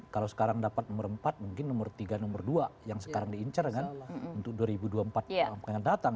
kalau sekarang dapat nomor empat mungkin nomor tiga nomor dua yang sekarang diincar kan untuk dua ribu dua puluh empat yang akan datang